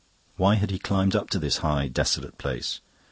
Why had he climbed up to this high, desolate place?